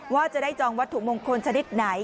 ว่าจะได้จองวัตถุมงคลชนิดไหน